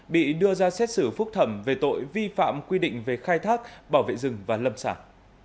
bị đưa ra xét xử phúc thẩm về tội vi phạm quy định về khai thác bảo vệ rừng và lâm sản